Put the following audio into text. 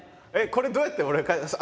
これどうやって俺返す。